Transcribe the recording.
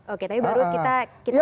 oke tapi baruhut kita